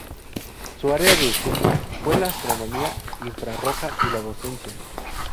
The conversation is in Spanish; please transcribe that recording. Su área de estudio fue la astronomía Infrarroja y la docencia.